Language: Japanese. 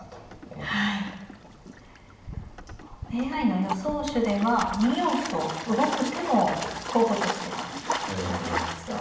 ＡＩの予想手では２四歩と動く手も候補としては挙がっていますが。